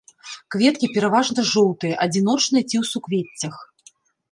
Кветкі пераважна жоўтыя, адзіночныя ці ў суквеццях.